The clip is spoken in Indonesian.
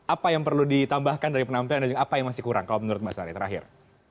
apa yang perlu ditambahkan dari penampilan dan apa yang masih kurang kalau menurut mbak sari terakhir